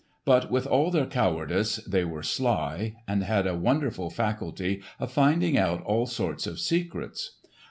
But with all their cowardice they were sly, and had a wonderful faculty of finding out all sorts of secrets.